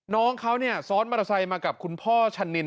น้องเขาเนี่ยซ้อนมอเตอร์ไซค์มากับคุณพ่อชะนิน